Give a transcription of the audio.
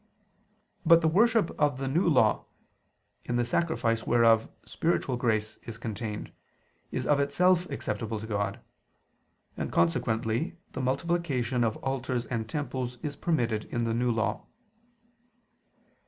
But the worship of the New Law, in the sacrifice whereof spiritual grace is contained, is of itself acceptable to God; and consequently the multiplication of altars and temples is permitted in the New Law.